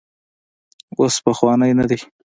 اوس پخوانی نه دی.